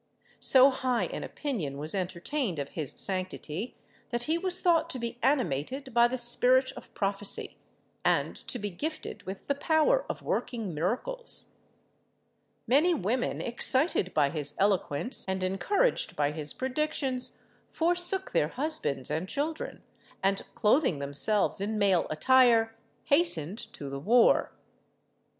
So high an opinion was entertained of his sanctity, that he was thought to be animated by the spirit of prophecy, and to be gifted with the power of working miracles. Many women, excited by his eloquence, and encouraged by his predictions, forsook their husbands and children, and, clothing themselves in male attire, hastened to the war.